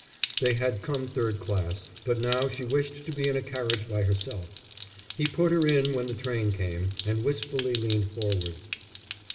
They had come third class, but now she wished to be in a carriage by herself. He put her in when the train came, and wistfully leaned forward.